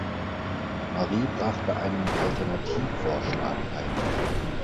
Marie brachte einen Alternativvorschlag ein.